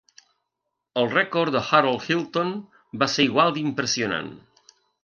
El rècord de Harold Hilton va ser igual d'impressionant.